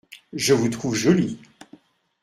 Je vous trouve joli !